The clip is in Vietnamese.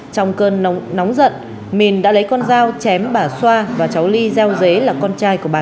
trong cơn nóng giận minh đã lấy con dao chém bà xoa và cháu ly gieo dế là con trai của bà